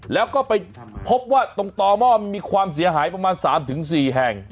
แล้วก็ไปพบว่าตรงต่อหม้อมันมีความเสียหายประมาณ๓๔แห่ง